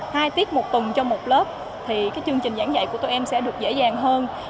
hai tiết một tuần cho một lớp thì chương trình giảng dạy của tụi em sẽ được dễ dàng hơn